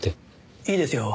いいですよ。